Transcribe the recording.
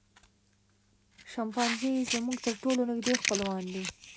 شامپانزي زموږ تر ټولو نږدې خپلوان دي.